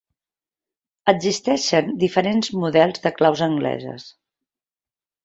Existeixen diferents models de claus angleses.